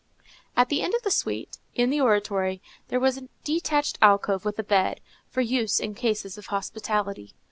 At the end of the suite, in the oratory, there was a detached alcove with a bed, for use in cases of hospitality.